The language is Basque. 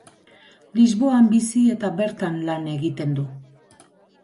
Lisboan bizi eta bertan lan egiten du.